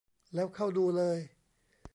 แล้วเข้าดูเลย